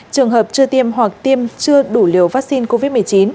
trường hợp chưa tiêm hoặc tiêm chưa đủ liều vaccine covid một mươi chín